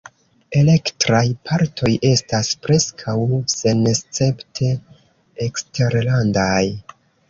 Elektraj partoj estas preskaŭ senescepte eksterlandaj.